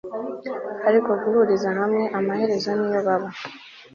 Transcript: Ariko guhuriza hamwe amaherezo niyo baba